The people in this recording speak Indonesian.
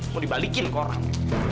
mau dibalikin ke orang